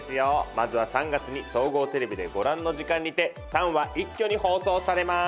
まずは３月に総合テレビでご覧の時間にて３話一挙に放送されます。